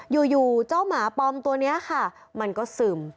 อยู่เจ้าหมาปอมตัวนี้ค่ะมันก็ซึม